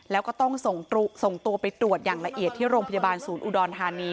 แล้วก็ต้องส่งตัวไปตรวจอย่างละเอียดที่โรงพยาบาลศูนย์อุดรธานี